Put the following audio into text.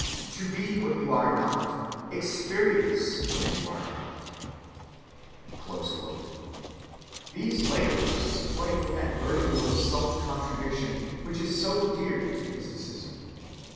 "To be what you are not, experience what you are not." These later verses play with that vertigo of self‐contradiction which is so dear to mysticism.